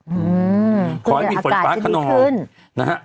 อืมขอให้มีฝนฟ้าขนองขึ้นอากาศที่นี่ขึ้น